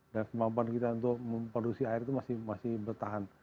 dan kemampuan kita untuk memproduksi air itu masih bertahan